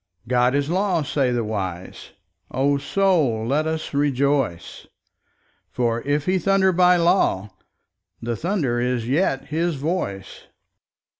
God is law, say the wise; O Soul, and let us rejoice, For if He thunder by law the thunder is yet His voice.